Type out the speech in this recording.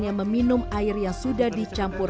yang meminum air yang sudah dicampur